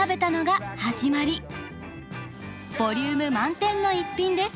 ボリューム満点の一品です。